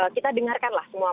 kita dengarkanlah semua